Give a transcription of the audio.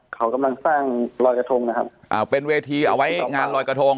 เขากำลังสร้างรอยกระทงนะครับอ่าเป็นเวทีเอาไว้งานลอยกระทง